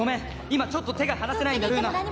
今ちょっと手が離せないんだルーナ